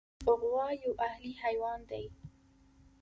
غوا یو اهلي حیوان دی.